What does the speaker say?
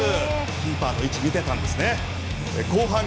キーパーの位置を見ていたんですね。